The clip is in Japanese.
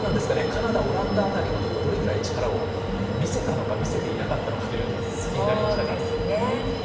カナダ、オランダ辺りがどれぐらい力を見せたのか見せていなかったのかというのも気になりますが。